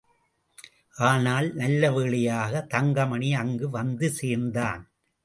ஆனால், நல்லவேளையாக தங்கமணி அங்கு வந்து சேர்ந்தான்.